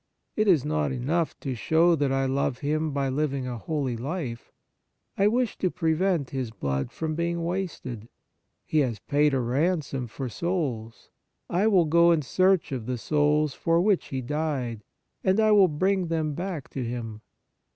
It is not enough to show that I love Him by living a holy life ; I wish to prevent His blood from being wasted. He has paid a ransom for souls ; I will go in search of the souls for which He died, and I will bring them back to Him.